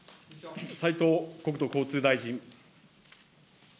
斉藤国土交通大臣。